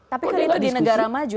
tapi kan itu di negara maju